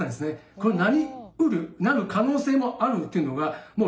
この「なりうる」なる可能性もあるっていうのが短く。